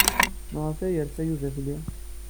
Maɣef ay yerfa Yuba fell-i?